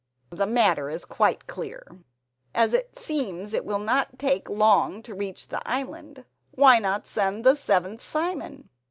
The matter is quite clear. As it seems it will not take long to reach the island why not send the seventh Simon?